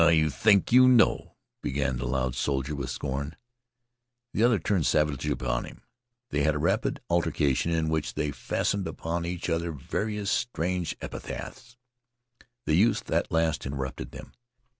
"Oh, you think you know " began the loud soldier with scorn. The other turned savagely upon him. They had a rapid altercation, in which they fastened upon each other various strange epithets. The youth at last interrupted them.